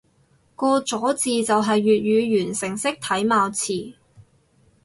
個咗字就係粵語完成式體貌詞